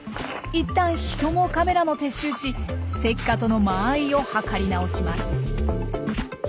いったん人もカメラも撤収しセッカとの間合いを計り直します。